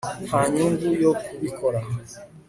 Nta nyungu yo kubikora